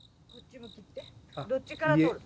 どっちから撮る？